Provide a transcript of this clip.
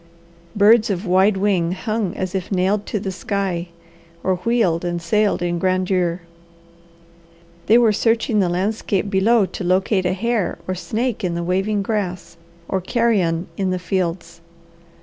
Birds of wide wing hung as if nailed to the sky, or wheeled and sailed in grandeur. They were searching the landscape below to locate a hare or snake in the waving grass or carrion in the fields.